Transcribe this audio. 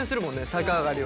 逆上がりは。